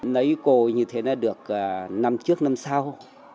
lấy cô như thế là được năm trước năm sau